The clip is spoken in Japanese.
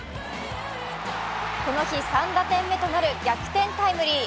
この日３打点目となる逆転タイムリー。